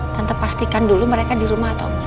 tante pastikan dulu mereka di rumah atau enggak